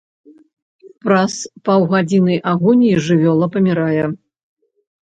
Праз паўгадзіны агоніі жывёла памірае.